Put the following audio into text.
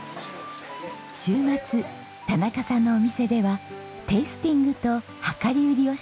週末田中さんのお店ではテイスティングと量り売りをしています。